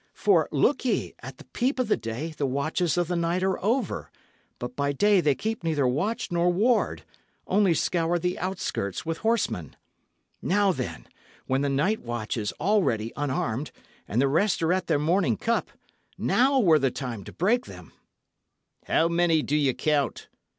For, look ye, at the peep of day the watches of the night are over; but by day they keep neither watch nor ward only scour the outskirts with horsemen. Now, then, when the night watch is already unarmed, and the rest are at their morning cup now were the time to break them." "How many do ye count?"